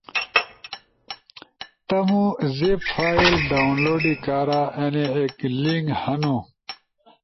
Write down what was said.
تمو زیب فائل ڈاونلوڈی کارا اینی ایک لنک ہنو۔